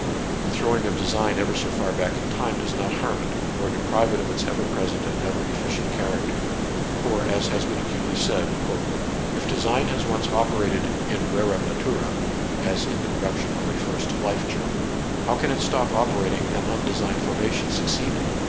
The throwing of design ever so far back in time does not harm it, nor deprive it of its ever present and ever efficient character. For, as has been acutely said, " If design has once operated in rerum natura (as in the production of a first life germ), how can it stop operating and undesigned formation succeed it